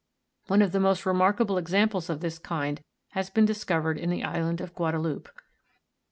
One of the most re markable examples of this kind has been discovered in the island of Guadaloupe.